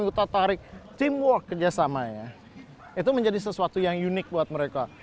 serta tarik teamwork kerjasamanya itu menjadi sesuatu yang unik buat mereka